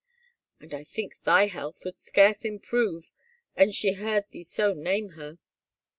" And I think thy health would scarce improve an she heard thee so name her."